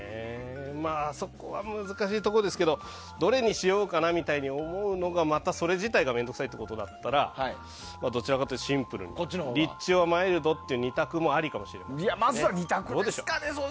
そこは難しいところですけどどれにしようかなと思うのが、またそれ自体が面倒くさいってことだったらどちらかというとシンプルにリッチｏｒマイルドという２択もありかもしれないです。